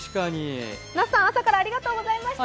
皆さん、朝からありがとうございました。